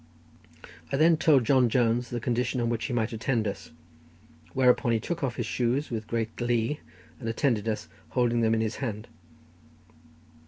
I then told John Jones the condition on which he might attend us, whereupon he took off his shoes with great glee and attended us, holding them in his hand.